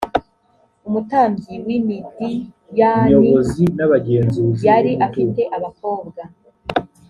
umutambyi w i midiyani yari afite abakobwa